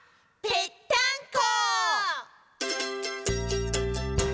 「ぺったんこ！」